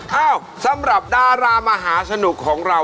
เอ้าสำหรับดารามหาสนุกของเรา